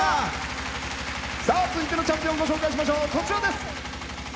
続いてのチャンピオンご紹介しましょう。